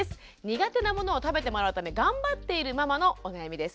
苦手なものを食べてもらうために頑張っているママのお悩みです。